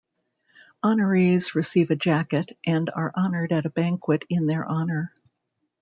Honorees receive a jacket, and are honored at a banquet in their honor.